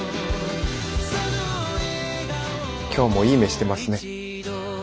今日もいい目してますね。